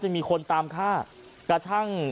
มีคนตามฆ่ากระชั่ง